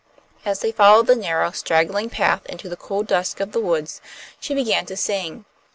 As they followed the narrow, straggling path into the cool dusk of the woods, she began to sing.